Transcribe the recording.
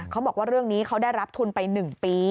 เขาบอกว่าเรื่องนี้เขาได้รับทุนไป๑ปี